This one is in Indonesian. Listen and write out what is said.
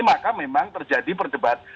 maka memang terjadi perdebatan